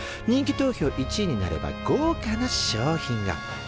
人気投票１位になればごうかな賞品が。